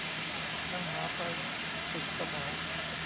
นั่งหาไป ฝึกสมอง